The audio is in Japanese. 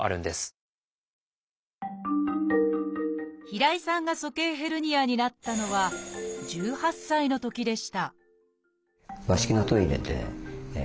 平井さんが鼠径ヘルニアになったのは１８歳のときでした